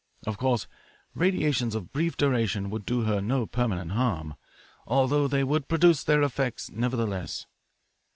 Of course radiations of brief duration would do her no permanent harm, although they would produce their effect, nevertheless.